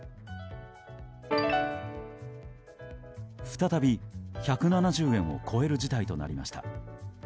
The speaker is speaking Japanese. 再び１７０円を超える事態となりました。